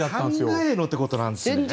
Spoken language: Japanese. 考えのってことなんですね。